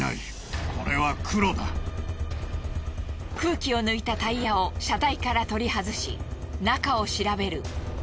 空気を抜いたタイヤを車体から取り外し中を調べる。